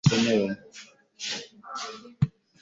kubandi mugihe bikenewe